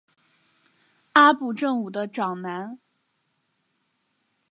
阿部正武的长男。